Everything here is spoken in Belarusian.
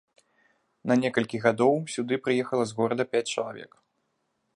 На некалькі гадоў сюды прыехала з горада пяць чалавек.